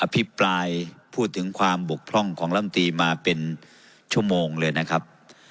พิปรายพูดถึงความบกพร่องของลำตีมาเป็นชั่วโมงเลยนะครับ